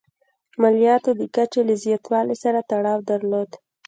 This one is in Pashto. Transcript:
مالیاتو د کچې له زیاتوالي سره تړاو درلود.